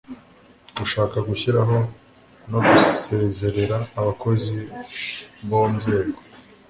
gushaka gushyiraho no gusezerera abakozi bo nzego